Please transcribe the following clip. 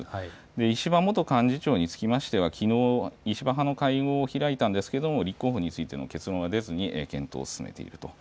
石破元幹事長につきましてはきのう石破派の会合を開いたんですけれども立候補についての結論は出ずに進めていると。